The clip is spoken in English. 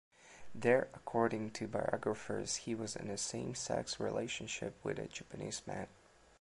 There, according to biographers, he was in a same-sex relationship with a Japanese man.